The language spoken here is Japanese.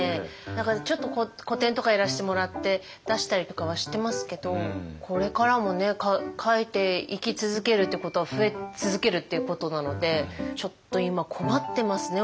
何かちょっと個展とかやらせてもらって出したりとかはしてますけどこれからも描いていき続けるってことは増え続けるっていうことなのでちょっと今困ってますね。